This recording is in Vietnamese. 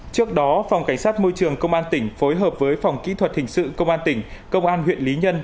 trước đó phòng cảnh sát môi trường công an tỉnh phối hợp với phòng kỹ thuật hình sự công an tỉnh công an huyện lý nhân